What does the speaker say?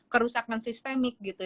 kerusakan sistemik gitu